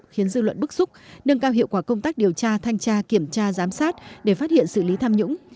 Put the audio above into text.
khiến dư luận bức xúc nâng cao hiệu quả công tác điều tra thanh tra kiểm tra giám sát để phát hiện xử lý tham nhũng